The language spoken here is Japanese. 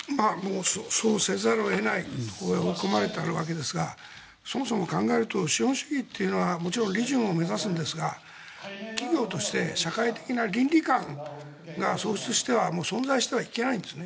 そうせざるを得ない追い込まれているわけですがそもそも考えると資本主義というのはもちろん利潤を目指すんですが企業として社会的な倫理観が喪失してはいけないんです。